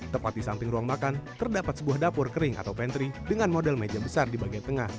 tepat di samping ruang makan terdapat sebuah dapur kering atau pantry dengan model meja besar di bagian tengah